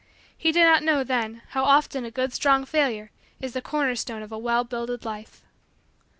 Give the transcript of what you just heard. He did not know, then, how often a good strong failure is the corner stone of a well builded life.